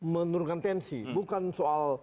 menurunkan tensi bukan soal